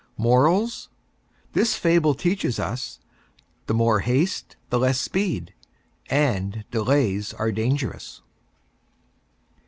MORALS: This Fable teaches Us, The More Haste The Less Speed, and Delays Are Dangerous.